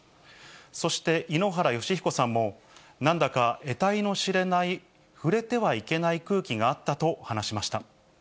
そして、井ノ原快彦さんも、なんだか得体のしれない触れてはいけない空気があったと話しました。